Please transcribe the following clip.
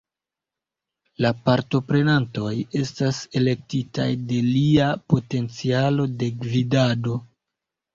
La partoprenantoj estas elektitaj de lia potencialo de gvidado.